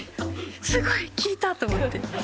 すごい！聞いた！と思って。